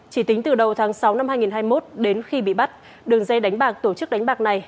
chỉ tính từ đầu tháng sáu năm hai nghìn hai mươi một đến khi bị bắt đường dây đánh bạc tổ chức đánh bạc này